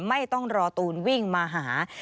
ไม่ต้องรอตูนวิ่งมาหา